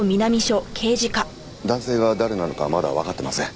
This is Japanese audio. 男性が誰なのかはまだわかっていません。